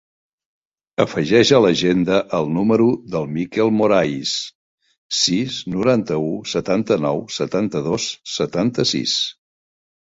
Afegeix a l'agenda el número del Mikel Morais: sis, noranta-u, setanta-nou, setanta-dos, setanta-sis.